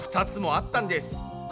２つもあったんです。